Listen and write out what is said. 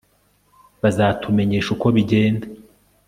bazatumenyesha uko bigenda